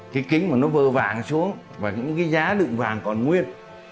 cái kính mà nó vơ vàng xuống và những cái giá lượng vàng còn nguyên